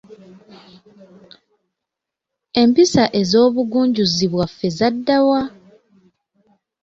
Empisa ez’obugunjuzi bwaffe zadda wa?